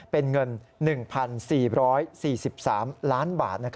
เป็นเงิน๑๔๔๔๓ล้านบาท